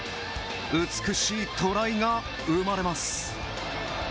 美しいトライが生まれます。